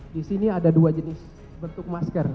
di sini ada dua jenis bentuk masker